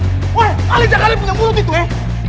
woy alih jangan ada punyamurut itu eh